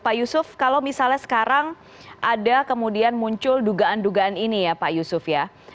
pak yusuf kalau misalnya sekarang ada kemudian muncul dugaan dugaan ini ya pak yusuf ya